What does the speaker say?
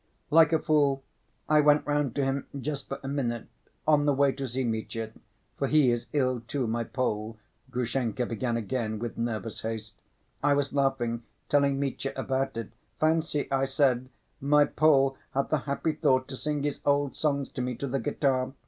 "Like a fool, I went round to him just for a minute, on the way to see Mitya, for he is ill, too, my Pole," Grushenka began again with nervous haste. "I was laughing, telling Mitya about it. 'Fancy,' I said, 'my Pole had the happy thought to sing his old songs to me to the guitar.